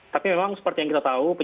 tapi memang seperti yang kita tahu